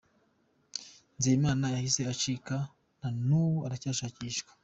Nzeyimana yahise acika na n’ubu aracyashakishwa.